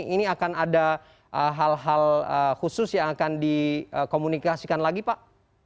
ini akan ada hal hal khusus yang akan dikomunikasikan lagi pak